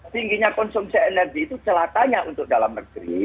tingginya konsumsi energi itu celah tanya untuk dalam negeri